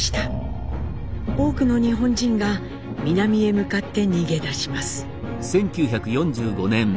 多くの日本人が南へ向かって逃げ出します。